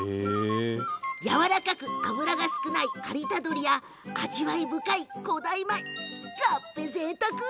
やわらかく脂が少ない有田鶏や味わい深い古代米。